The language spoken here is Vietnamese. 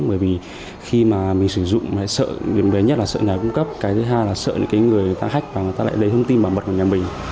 bởi vì khi mà mình sử dụng hay sợ điểm đến nhất là sợ nhà cung cấp cái thứ hai là sợ những người ta hách và người ta lại lấy thông tin bảo mật của nhà mình